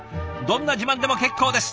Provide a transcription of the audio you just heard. どんな自慢でも結構です。